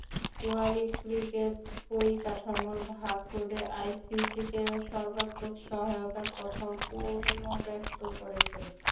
ওয়ালি cricket পরিকাঠামোর ভাগ রোধে আইসিসিকে সর্বাত্মক সহায়তার কথাও পুনর্ব্যক্ত করেছেন।